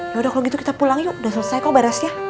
yaudah kalo gitu kita pulang yuk udah selesai kok beres ya